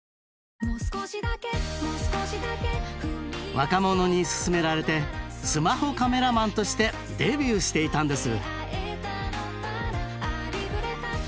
若者に勧められてスマホカメラマンとしてデビューしていたんです。